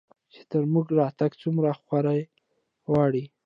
چې تر موږه راتګ څومره خواري غواړي